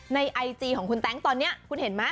ไอจีของคุณแต๊งตอนนี้คุณเห็นไหม